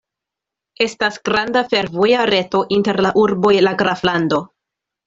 Estas granda fervoja reto inter la urboj la graflando.